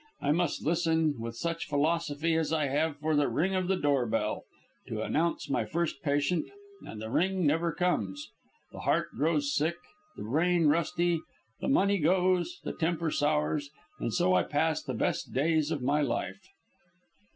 I must listen with such philosophy as I have for the ring of the door bell to announce my first patient, and the ring never comes. The heart grows sick, the brain rusty, the money goes, the temper sours, and so I pass the best days of my life."